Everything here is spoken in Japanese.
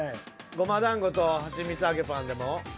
ごまだんごとはちみつ揚げパンでも？